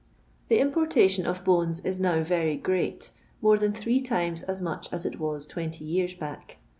The importation of bones is now very great ; more than three times as much as it was 20 years back.